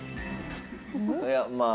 いやまあ。